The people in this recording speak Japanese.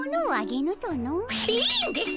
いいんです！